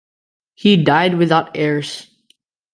He died without heirs.